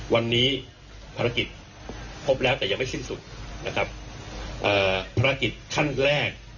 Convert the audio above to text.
วันนี้ภารกิจพบแล้วแต่ยังไม่สิ้นสุดนะครับเอ่อภารกิจขั้นแรก